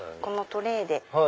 このトレーで。